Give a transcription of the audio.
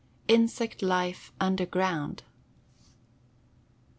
INSECT LIFE UNDERGROUND.